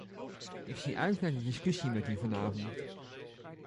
Ik zie uit naar de discussie met u vanavond.